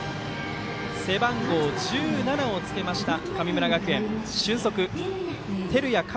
背番号１７をつけました神村学園、俊足、照屋寛